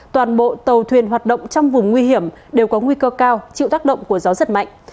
toàn bộ tàu thuyền hoạt động trong vùng nguy hiểm đều có nguy cơ cao chịu tác động của gió giật mạnh